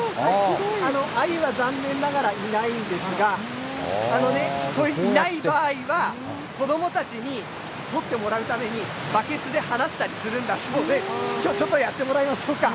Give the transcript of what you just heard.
アユは残念ながらいないんですが、いない場合は、子どもたちに取ってもらうために、バケツで放したりするんだそうで、きょう、ちょっとやってもらいましょうか。